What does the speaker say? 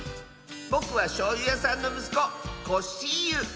ぼくはしょうゆやさんのむすこコッシーユ。